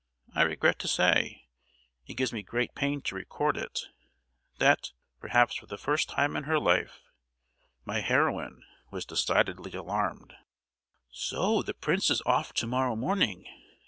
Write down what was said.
I regret to say—it gives me great pain to record it—that, perhaps for the first time in her life, my heroine was decidedly alarmed. "So the prince is off to morrow morning!